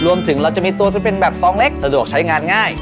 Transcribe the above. รวมถึงเราจะมีตัวที่เป็นแบบซองเล็กสะดวกใช้งานง่าย